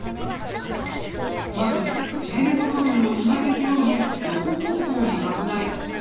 まず切れ目の部分をつなげるように横方向に拡大。